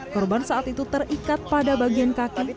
korban saat itu terikat pada bagian kaki